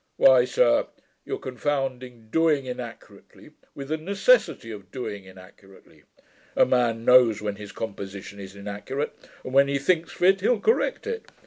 'Why, sir, you are confounding DOING inaccurately with the NECESSITY of doing inaccurately. A man knows when his composition is inaccurate, and when he thinks fit he'll correct it.